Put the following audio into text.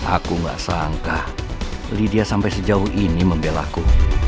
aku gak sangka lydia sampai sejauh ini membelaku